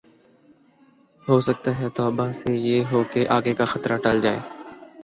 ہوسکتا ہے توبہ سے یہ ہو کہ آگے کا خطرہ ٹل جاۓ